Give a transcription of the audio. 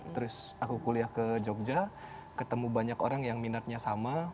terus aku kuliah ke jogja ketemu banyak orang yang minatnya sama